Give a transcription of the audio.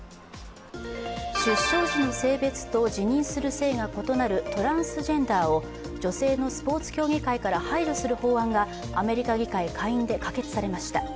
出生時の性別と自認する性が異なるトランスジェンダーを女性のスポーツ競技会から排除する法案がアメリカ議会下院で可決されました。